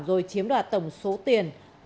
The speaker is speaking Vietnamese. rồi chiếm đặt tổng số tiền